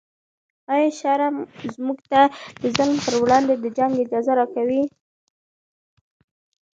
آیا شرع موږ ته د ظالم پر وړاندې د جنګ اجازه راکوي؟